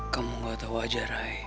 kamu gak tahu aja rai